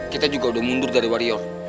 kita juga udah mundur dari warrior